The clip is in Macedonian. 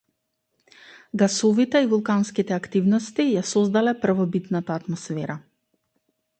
Гасовите и вулканските активности ја создале првобитната атмосфера.